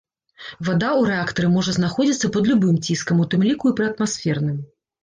Вада ў рэактары можа знаходзіцца пад любым ціскам, у тым ліку і пры атмасферным.